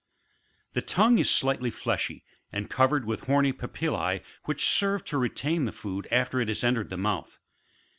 27. The tongue is slightly fleshy, and covered with horny papillae which serve to retain the food after it has entered the mouth.